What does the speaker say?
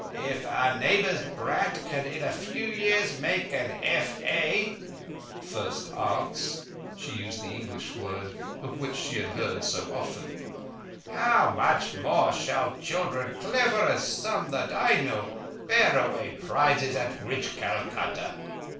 If our neighbour's brat can in a few years be made an F A" (First Arts—she used the English word, of which she had heard so often), "how much more shall children clever as some that I know bear away prizes at rich Calcutta."